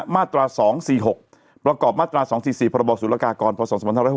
มาตรา๒๔๖ประกอบมาตรา๒๔๔พรบศุลกากรพศ๒๕๖๖